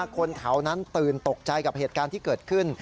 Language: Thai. คนแถวนั้นตื่นตกใจกับเหตุการณ์ที่เกิดขึ้น